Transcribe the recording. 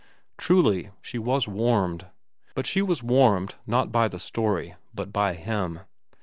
Truly, she was warmed; but she was warmed, not by the story, but by him.